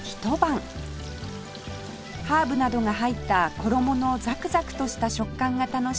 ハーブなどが入った衣のザクザクとした食感が楽しい